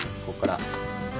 こっから。